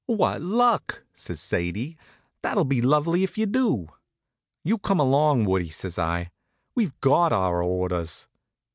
"What luck!" says Sadie. "That'll be lovely if you do." "You come along, Woodie," says I. "We've got our orders."